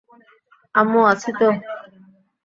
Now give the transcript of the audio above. আম্মু আছি তো।